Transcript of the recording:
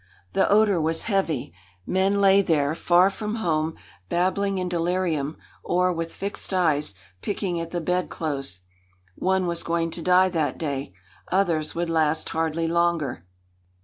The odour was heavy. Men lay there, far from home, babbling in delirium or, with fixed eyes, picking at the bed clothes. One was going to die that day. Others would last hardly longer.